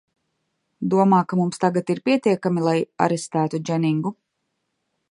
Domā, ka mums tagad ir pietiekami, lai arestētu Dženingu?